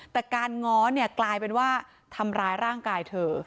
แต่การง้อเนี่ยกลายเป็นว่าทำร้ายร่างกายเธอ